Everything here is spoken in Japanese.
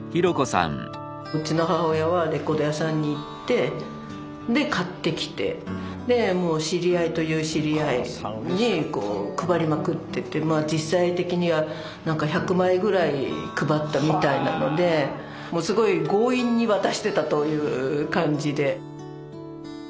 うちの母親はレコード屋さんに行ってで買ってきてでもう知り合いという知り合いにこう配りまくってて実際的にはなんか１００枚ぐらい配ったみたいなのでもうすごい強引に渡してたという感じで。